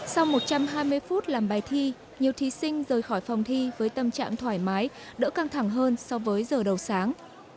sau một trăm hai mươi phút làm bài thi nhiều thí sinh rời khỏi phòng thi với tâm trạng thoải mái đỡ căng thẳng hơn so với giờ đầu sáng